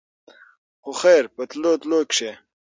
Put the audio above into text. خو خېر په تلو تلو کښې